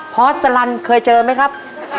พอสลันเคยเจอไหมครับ